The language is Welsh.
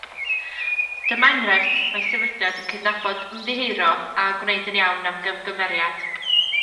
Dyma enghraifft sut mae sefydliad yn cydnabod, ymddiheuro a gwneud yn iawn am gamgymeriad.